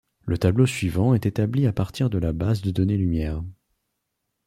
Le tableau suivant est établi à partir de la base de données Lumière.